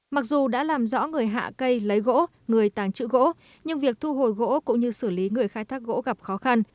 mặc dù đã làm rõ người hạ cây lấy gỗ người tàng trữ gỗ nhưng việc thu hồi gỗ cũng như xử lý người khai thác gỗ gặp khó khăn